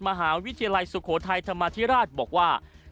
มหาวิทยาลัยสุโขทัยธรรมาธิราชบอกว่า